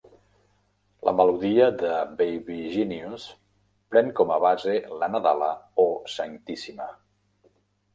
La melodia de "Baby Genius" pren com a base la nadala "O Sanctissima".